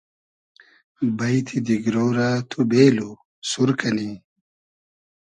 بݷتی دیگرۉ رۂ تو بېلو ، سور کئنی